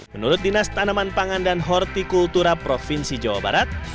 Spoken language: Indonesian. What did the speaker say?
menurut dinas tanaman pangan dan hortikultura provinsi jawa barat